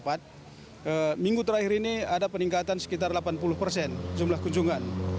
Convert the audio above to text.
minggu terakhir ini ada peningkatan sekitar delapan puluh persen jumlah kunjungan